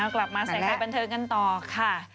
กลับมาใส่ใครบันเทิงกันต่อค่ะ